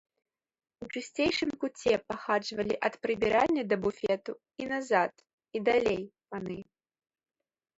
У чысцейшым куце пахаджвалі ад прыбіральні да буфету, і назад, і далей, паны.